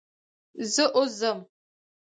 زه اوس ځم.